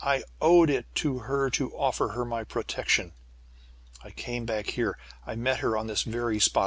I owed it to her to offer her my protection. "I came back here. I met her on this very spot.